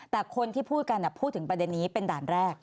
แต่คนที่พูดกันพูดถึงประเด็นนี้เป็นด่านแรก